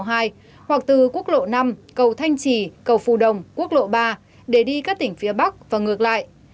hoặc từ quốc lộ năm cầu thanh trì cầu phù đồng quốc lộ ba để đi các tỉnh phía bắc và ngược lại